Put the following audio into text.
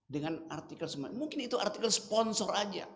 dengan artikel mungkin itu artikel sponsor aja